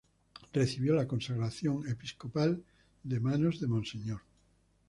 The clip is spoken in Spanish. Recibió la consagración episcopal de manos de Mons.